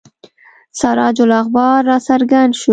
سراج الاخبار را څرګند شو.